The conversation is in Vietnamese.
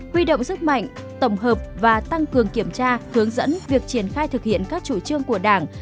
huy động sức mạnh tổng hợp và tăng cường kiểm tra hướng dẫn việc triển khai thực hiện các chủ trương của đảng